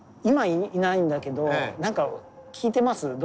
今いないんだけどなんか聞いてます？